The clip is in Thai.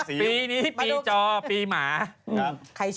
ปีนี้ปีจอปีหมา